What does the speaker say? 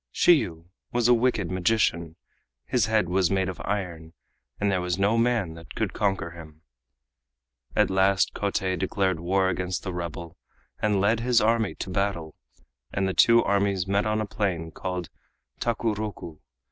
Shiyu was a wicked magician, his head was made of iron, and there was no man that could conquer him. At last Kotei declared war against the rebel and led his army to battle, and the two armies met on a plain called Takuroku.